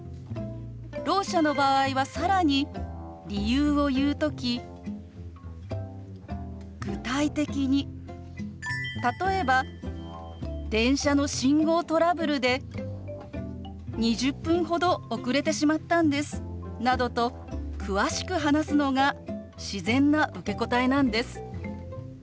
ろう者の場合は更に理由を言う時具体的に例えば電車の信号トラブルで２０分ほど遅れてしまったんですなどと詳しく話すのが自然な受け答えなんです。